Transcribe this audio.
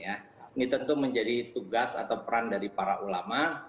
ini tentu menjadi tugas atau peran dari para ulama